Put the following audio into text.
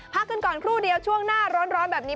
พักกันก่อนครู่เดียวช่วงหน้าร้อนแบบนี้